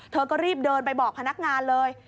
เธอก็รีบเดินไปบอกพนักงานเลย